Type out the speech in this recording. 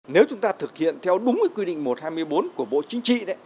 nếu chúng ta thực hiện theo đúng cái quy định một trăm hai mươi bốn của bộ chính trị